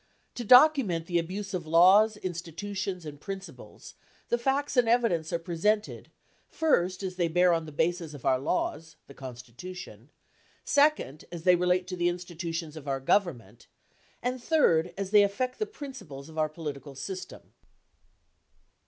To document the abuse of laws, institutions, and principles, the facts and evidence are presented, first, as they bear on the basis of our laws, the Constitution ; second, as they relate to the institutions of our Government; and third, as they affect the principles of our political system.